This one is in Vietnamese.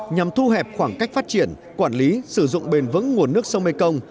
nhằm thu hẹp khoảng cách phát triển quản lý sử dụng bền vững nguồn nước sông mekong